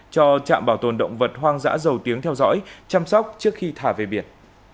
cho trạm bảo tồn động vật hoang dã dầu tiếng theo dõi chăm sóc trước khi thả về biển